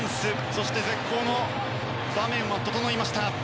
そして絶好の場面も整いました。